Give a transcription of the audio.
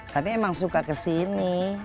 tapi emang suka ke sini